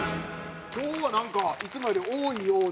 今日はなんかいつもより多いような。